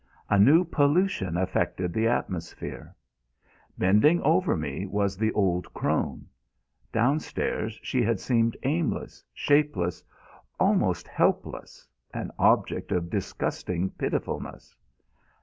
A new pollution affected the atmosphere. Bending over me was the old crone. Downstairs she had seemed aimless, shapeless, almost helpless, an object of disgusting pitifulness.